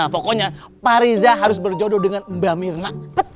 pokoknya pak riza harus berjodoh dengan mbak mirna